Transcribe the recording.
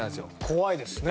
怖いですね。